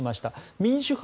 民主派